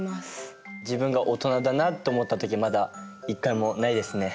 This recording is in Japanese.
自分がオトナだなと思った時まだ１回もないですね。